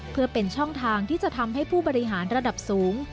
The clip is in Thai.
เพื่อเป็นช่องทางที่จะทำให้ผู้บริหารระดับสูง